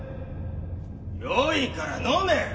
よいから飲め！